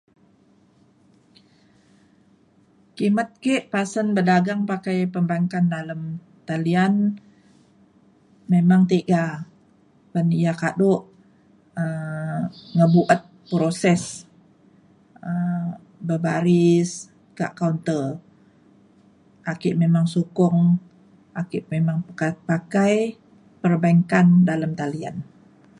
kimet ke pasen bedageng pakai perbankan dalem talian memang tiga ban ia' kado um ngebuet proses um berbaris ka kaunter. ake memang sukong ake memang peka- pakai perbankan dalem talian.